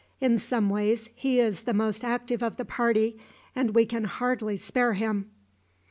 In some ways, he is the most active of the party, and we can hardly spare him."